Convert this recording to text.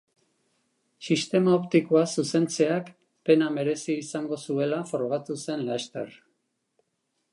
Sistema optikoa zuzentzeak pena merezi izango zuela frogatu zen laster.